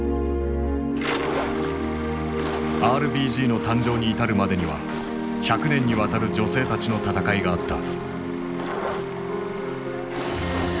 ＲＢＧの誕生に至るまでには百年にわたる女性たちの闘いがあった。